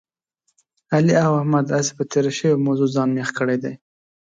علي او احمد هسې په تېره شوې موضوع ځان مېخ کړی دی.